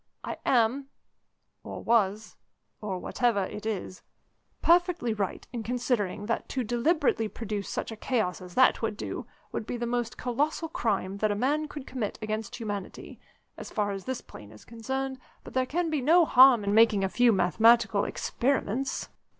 I am, or was or whatever it is perfectly right in considering that to deliberately produce such a chaos as that would do would be the most colossal crime that a man could commit against humanity, as far as this plane is concerned, but there can be no harm in making a few mathematical experiments."